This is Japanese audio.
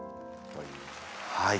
はい。